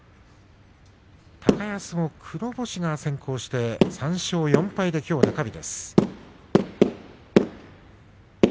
高安も黒星が先行して３勝４敗できょう中日です。